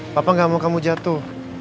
papa gak mau kamu jatuh